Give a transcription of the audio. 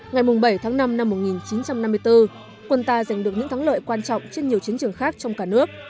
ngày bảy tháng năm năm một nghìn chín trăm năm mươi bốn quân ta giành được những thắng lợi quan trọng trên nhiều chiến trường khác trong cả nước